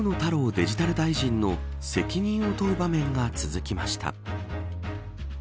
デジタル大臣の責任を問う場面が続きました。